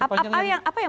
untuk memilih apa yang